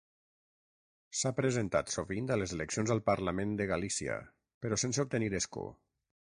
S'ha presentat sovint a les eleccions al Parlament de Galícia, però sense obtenir escó.